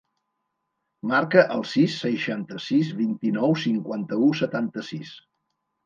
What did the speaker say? Marca el sis, seixanta-sis, vint-i-nou, cinquanta-u, setanta-sis.